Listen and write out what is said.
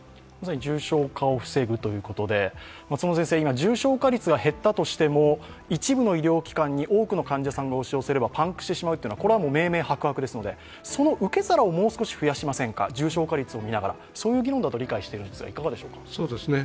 重症化を防ぐということで今、重症化率が減ったとしても一部の医療機関に多くの患者さんが押し寄せればパンクしてしまう、これは明々白々ですので、その受け皿をもう少し増やしませんか、重症化率を見ながらそういう議論だと理解しているんですが、いかがでしょうか。